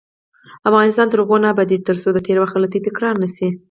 افغانستان تر هغو نه ابادیږي، ترڅو د تیر وخت غلطۍ تکرار نشي.